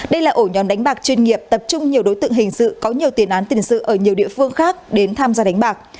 đây là ổ nhóm đánh bạc chuyên nghiệp tập trung nhiều đối tượng hình sự có nhiều tiền án tình sự ở nhiều địa phương khác đến tham gia đánh bạc